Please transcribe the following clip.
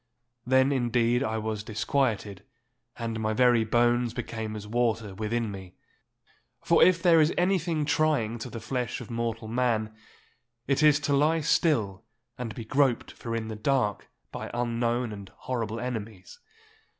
Then indeed I was disquieted, and my very bones became as water within me. For if there is anything trying to the flesh of mortal man, it is to lie still and be groped for in the dark by unknown and horrible enemies.